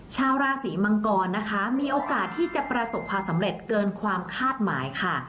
ชาวราศีมังกรนะคะมีโอกาสที่จะประสบความสำเร็จเกินความคาดหมายค่ะ